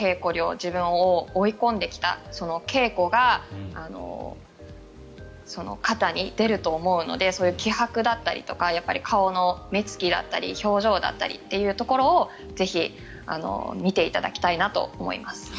自分を追い込んできた稽古が形に出ると思うので気迫だったりとか顔の目付きだったり表情だったりというところをぜひ見ていただきたいなと思います。